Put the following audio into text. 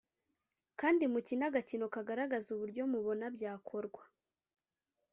Kandi mukine agakino kagaragaza uburyo mubona byakorwa